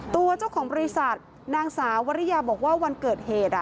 ตัวเจ้าของบริษัทนางสาววริยาบอกว่าวันเกิดเหตุ